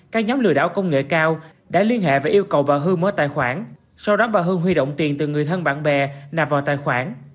các nhóm lừa đảo công nghệ cao đã liên hệ và yêu cầu bà hương mở tài khoản sau đó bà hương huy động tiền từ người thân bạn bè nạp vào tài khoản